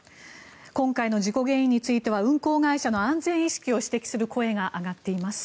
今回の事故原因については運航会社の安全意識を指摘する声が上がっています。